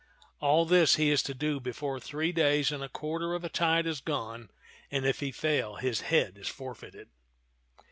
All this he is to do before three days and a quarter of a tide have gone; and if he fail, his head is forfeited."